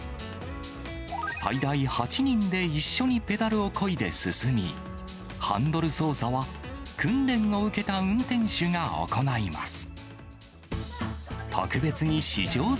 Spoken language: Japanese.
最大８人で一緒にペダルをこいで進み、ハンドル操作は訓練を受けた運転手が行います。